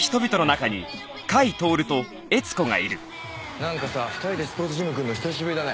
なんかさ２人でスポーツジム来るの久しぶりだね。